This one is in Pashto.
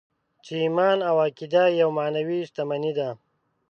چې ايمان او عقیده يوه معنوي شتمني ده.